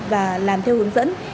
và làm theo hướng dẫn